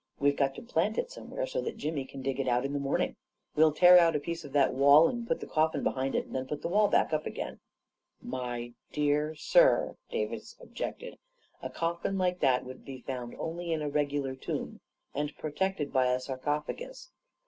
We've got to plant it somewhere so that Jimmy can dig it out in the morning. We'll tear out a piece of that wall, and put the coffin behind it, and then put the wall up again." 44 My dear sir," Davis objected, 44 a coffin like that would be found only in a regular tomb, and pro tected by a sarcophagus.